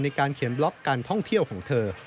ในการเขียนบล็อกการท่องเที่ยวของเธอ